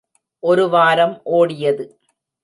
ஒரு வாரம் ஓடியது.